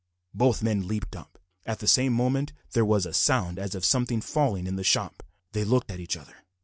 Both men leaped up. At the same moment there was a sound as of something falling in the shop. They looked at each other.